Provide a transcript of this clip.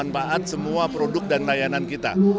dan bisa tahu manfaat semua produk dan layanan kita